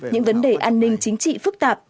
những vấn đề an ninh chính trị phức tạp